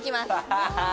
ハハハ。